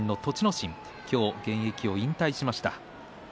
心が今日、現役を引退しました。